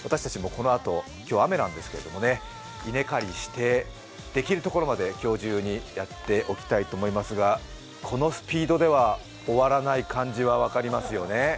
今日雨なんですけどこのあと稲刈りしてできるところまで今日中にやっておきたいと思いますが、このスピードでは終わらない感じは分かりますよね。